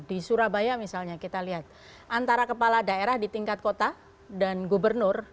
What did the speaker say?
di surabaya misalnya kita lihat antara kepala daerah di tingkat kota dan gubernur